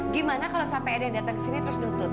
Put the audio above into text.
gimana kalau sampai ada yang datang kesini terus nutut